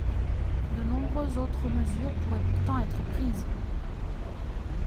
De nombreuses autres mesures pourraient pourtant être prises.